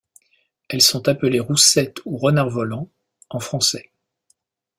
Elles sont appelées roussette ou renard volant en français.